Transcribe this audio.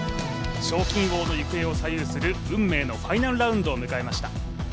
賞金王の行方を左右する運命のファイナルラウンドを迎えました。